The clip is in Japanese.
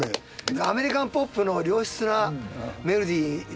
アメリカンポップの良質なメ